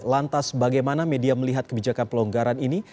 lantas bagaimana media melihat kebijakan pelonggaran ini